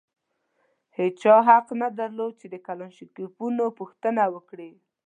هېچا حق نه درلود چې د کلاشینکوفونو پوښتنه وکړي.